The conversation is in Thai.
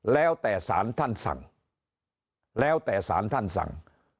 แล้วแต่สารท่านสั่งแล้วแต่สารท่านสั่ง